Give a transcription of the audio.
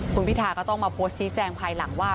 คุณพิทาก็ต้องมาโพสต์ชี้แจงภายหลังว่า